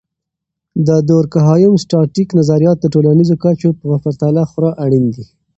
د دورکهايم.static نظریات د ټولنیزو کچو په پرتله خورا اړین دي.